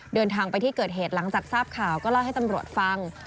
เดินทางไปที่เกิดเหตุหลังจากทราบข่าวก็เล่าให้ตำรวจฟัง